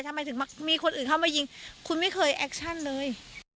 ทำไมถึงมีคนอื่นเข้ามายิงคุณไม่เคยแอคชั่นเลย